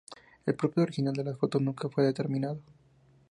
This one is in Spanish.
El propósito original de las fotos nunca fue determinado.